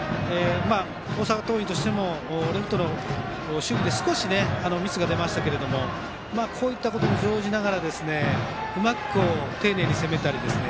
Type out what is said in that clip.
大阪桐蔭としてもレフトの守備で少しミスが出ましたがこういったことに乗じながらうまく丁寧に攻めたりですね